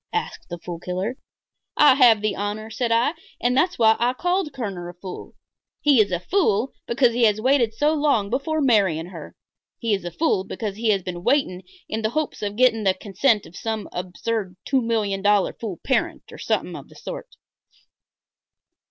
asked the Fool Killer. "I have the honor," said I, "and that's why I called Kerner a fool. He is a fool because he has waited so long before marrying her. He is a fool because he has been waiting in the hopes of getting the consent of some absurd two million dollar fool parent or something of the sort."